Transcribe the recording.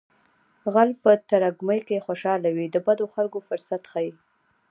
غل په ترږمۍ کې خوشحاله وي د بدو خلکو فرصت ښيي